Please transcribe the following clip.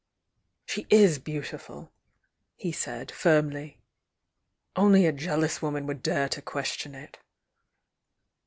"She is beautiful!" he said, firmly. "Only a jeal ous woman would dare to question it!"